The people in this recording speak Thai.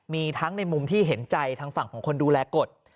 มีทั้งในมุมที่เห็นใจทางฝั่งของคนดูแลกฎ